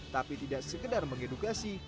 tapi tidak sekedar mengedukasi